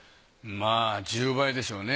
まぁ１０倍でしょうね。